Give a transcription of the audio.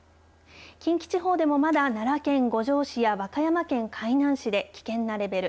近畿地方でもまだ奈良県五條市や和歌山県海南市で危険なレベル。